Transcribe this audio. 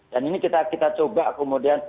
dan ini kita coba kemudian